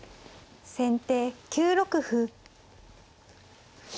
先手９六歩。